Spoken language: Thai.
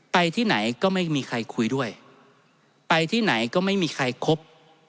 ไปที่ไหนก็ไม่มีใครคุยด้วยไปที่ไหนก็ไม่มีใครคบ